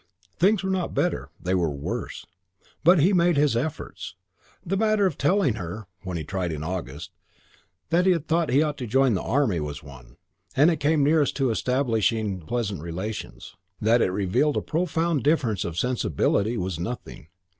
Things were not better; they were worse. But he made his efforts. The matter of telling her (when he tried in August) that he thought he ought to join the Army was one, and it came nearest to establishing pleasant relations. That it revealed a profound difference of sensibility was nothing.